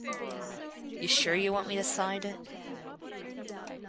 You sure you want me to sign it?